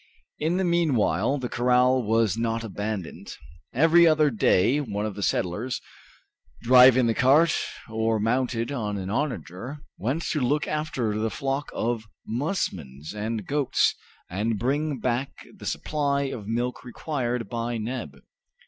In the meanwhile the corral was not abandoned. Every other day one of the settlers, driving the cart or mounted on an onager, went to look after the flock of musmons and goats and bring back the supply of milk required by Neb.